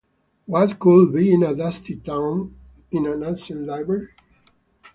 What could be in a dusty tome in an ancient library?